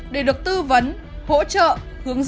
để được tư vấn hỗ trợ hướng dẫn đi khám bệnh đảm bảo an toàn